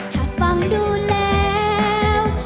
ถ้าฟังดูแล้ว